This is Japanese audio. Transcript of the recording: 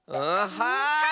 はい！